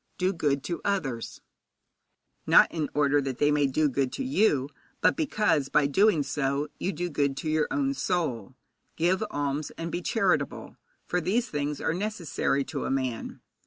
Do good to others, not in order that they may do good to you, but because, by doing so, you do good to your own soul. Give alms, and be charitable, for these things are necessary to a man.